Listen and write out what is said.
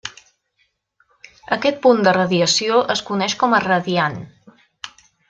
Aquest punt de radiació es coneix com a radiant.